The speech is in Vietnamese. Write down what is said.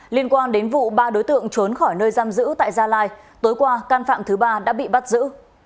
liên quan đến vụ ba đối tượng trốn khỏi nơi giam giữ tại gia lai tối qua căn phạm thứ ba đã bị bắt giữ